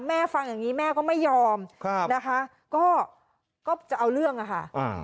แม่ฟังอย่างงี้แม่ก็ไม่ยอมครับนะคะก็ก็จะเอาเรื่องอะค่ะอืม